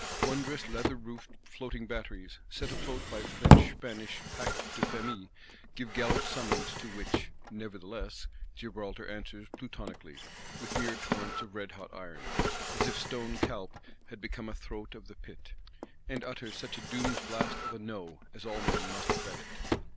Wondrous leather roofed Floating batteries, set afloat by French Spanish Pacte de Famille, give gallant summons: to which, nevertheless, Gibraltar answers Plutonically, with mere torrents of redhot iron,—as if stone Calpe had become a throat of the Pit; and utters such a Doom's blast of a No, as all men must credit.